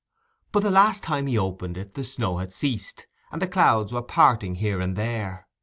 But the last time he opened it the snow had ceased, and the clouds were parting here and there.